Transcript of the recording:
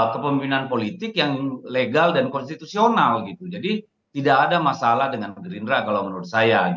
kepemimpinan politik yang legal dan konstitusional gitu jadi tidak ada masalah dengan gerindra kalau menurut saya